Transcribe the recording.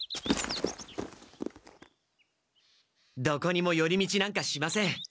どこにもより道なんかしません。